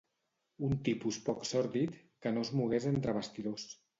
Un tipus poc sòrdid, que no es mogués entre bastidors.